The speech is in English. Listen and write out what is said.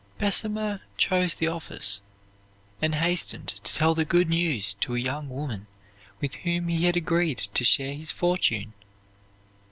Bessemer chose the office, and hastened to tell the good news to a young woman with whom he had agreed to share his fortune.